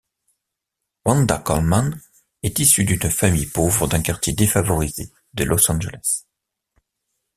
Wanda Coleman est issue d'une famille pauvre d'un quartier défavorisé de Los Angeles.